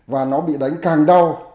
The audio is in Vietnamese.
và nó bị đánh càng đau